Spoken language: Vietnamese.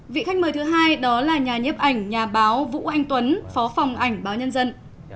vị khách mời thứ hai đó là nhà nhếp ảnh nhà báo vũ anh tuấn phó phòng ảnh báo nhân dân